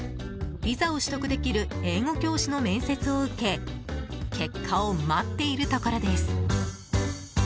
ビザを取得できる英語教師の面接を受け結果を待っているところです。